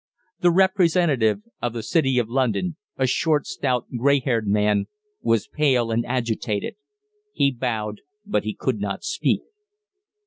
The representative of the City of London, a short, stout, gray haired man, was pale and agitated. He bowed, but he could not speak.